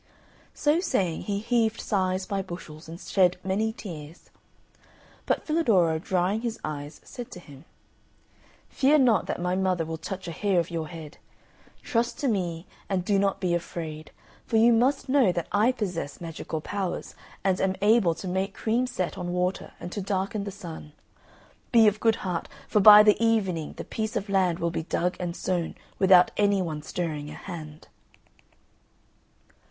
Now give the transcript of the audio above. So saying he heaved sighs by bushels, and shed many tears. But Filadoro, drying his eyes, said to him, "Fear not that my mother will touch a hair of your head. Trust to me and do not be afraid; for you must know that I possess magical powers, and am able to make cream set on water and to darken the sun. Be of good heart, for by the evening the piece of land will be dug and sown without any one stirring a hand."